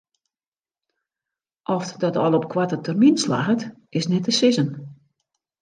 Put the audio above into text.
Oft dat al op koarte termyn slagget is net te sizzen.